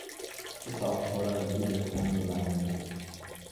اتاق پر از دود تند و زننده بود.